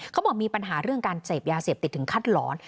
เขาบอกมีปัญหาเรื่องการเสพยาเสพติดถึงขั้นหลอน